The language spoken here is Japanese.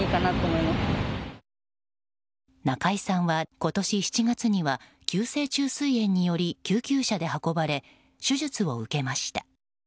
中居さんは今年７月には急性虫垂炎により救急車で運ばれ手術を受けました。